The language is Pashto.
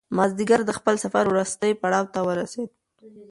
مازیګر د خپل سفر وروستي پړاو ته ورسېد.